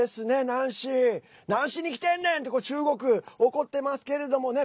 ナンシー、ナンシに来てんねん！って中国、怒ってますけれどもね。